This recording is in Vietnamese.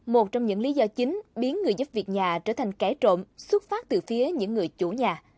một trong những lý do chính biến người giúp việc nhà trở thành kẻ trộm xuất phát từ phía những người chủ nhà